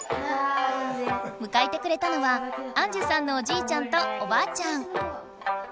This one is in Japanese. むかえてくれたのは杏寿さんのおじいちゃんとおばあちゃん。